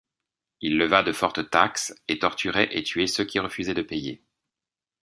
Il leva de fortes taxes et torturait et tuait ceux qui refusaient de payer.